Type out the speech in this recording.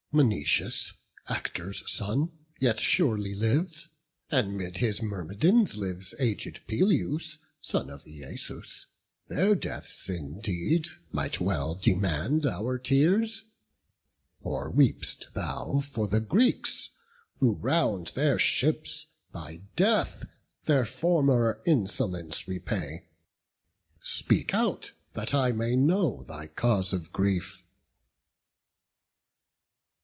Menoetius, Actor's son, Yet surely lives; and 'mid his Myrmidons Lives aged Peleus, son of Æacus: Their deaths indeed might well demand our tears: Or weep'st thou for the Greeks, who round their ships By death their former insolence repay? Speak out, that I may know thy cause of grief."